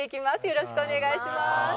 よろしくお願いします。